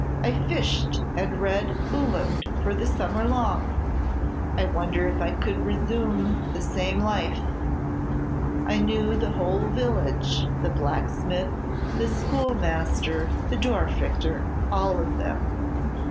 I fished and read Uhland for a summer long. I wonder if I could resume the same life. I knew the whole village, the blacksmith, the schoolmaster, the Dorfrichter, all of them.